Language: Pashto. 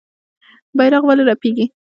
بیرغ ولې رپیږي؟